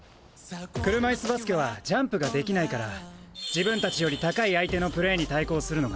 車いすバスケはジャンプができないから自分たちより高い相手のプレーに対抗するのが難しいんだ。